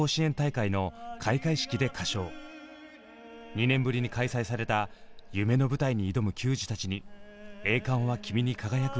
２年ぶりに開催された夢の舞台に挑む球児たちに「栄冠は君に輝く」を贈りました。